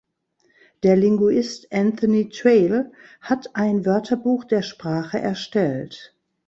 Der Linguist Anthony Traill hat ein Wörterbuch der Sprache erstellt.